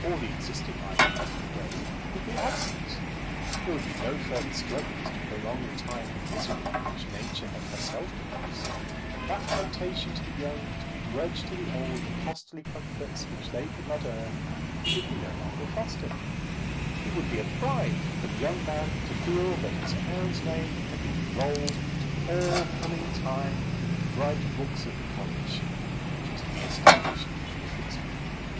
All the existing ideas of the grave would be absent. There would be no further struggles to prolong the time of misery which nature had herself produced. That temptation to the young to begrudge to the old the costly comforts which they could not earn would be no longer fostered. It would be a pride for the young man to feel that his parent's name had been enrolled to all coming time in the bright books of the college which was to be established for the Fixed Period.